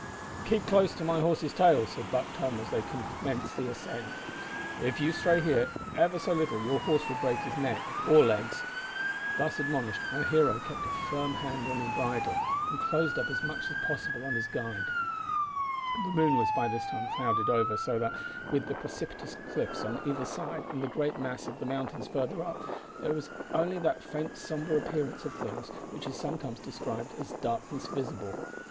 "Keep close to my horse's tail," said Buck Tom, as they commenced the ascent. "If you stray here, ever so little, your horse will break his neck or legs." Thus admonished, our hero kept a firm hand on the bridle, and closed up as much as possible on his guide. The moon was by this time clouded over, so that, with the precipitous cliffs on either side, and the great mass of the mountains further up, there was only that faint sombre appearance of things which is sometimes described as darkness visible.